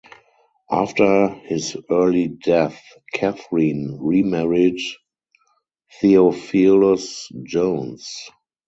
After his early death Catherine remarried Theophilus Jones.